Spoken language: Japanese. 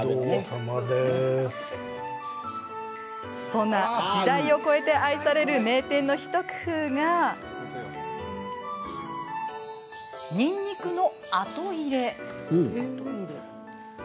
そんな時代を超えて愛される名店の一工夫がにんにくの後入れ。